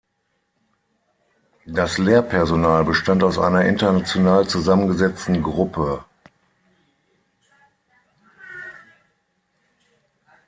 Das Lehrpersonal bestand aus einer international zusammengesetzten Gruppe.